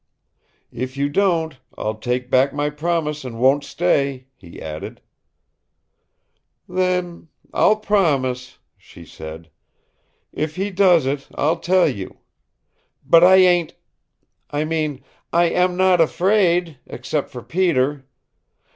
"If you don't I'll take back my promise, and won't stay," he added. "Then I'll promise," she said. "If he does it, I'll tell you. But I ain't I mean I am not afraid, except for Peter.